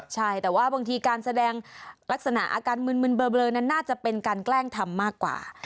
ใช่แต่ว่าบางทีการแสดงลักษณะอาการมึนเบลอนั้นน่าจะเป็นการแกล้งทำมากกว่า